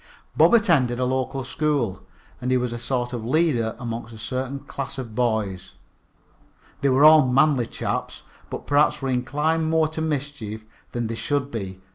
Bob attended the local school, and he was a sort of leader among a certain class of boys. They were all manly chaps, but perhaps were inclined more to mischief than they should be.